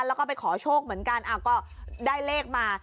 แล้วก็ไปขอโชคเหมือนกันก็ได้เลขมา